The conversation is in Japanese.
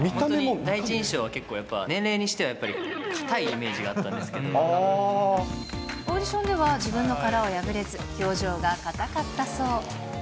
第一印象は年齢にしてはやっぱりかたいイメージがあったんですけオーディションでは、自分の殻を破れず、表情が硬かったそう。